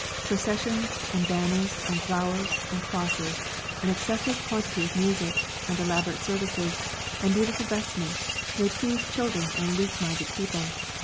Processions, and banners, and flowers, and crosses, and excessive quantity of music, and elaborate services, and beautiful vestments, may please children and weak minded people.